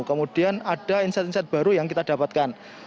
kemudian ada insight insight baru yang kita dapatkan